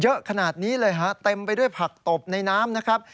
เยอะขนาดนี้เลยฮะเต็มไปด้วยผักตบในน้ำนะครับ